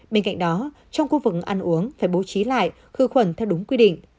bên cạnh đó trong khu vực ăn uống phải bố trí lại khử khuẩn theo đúng quy định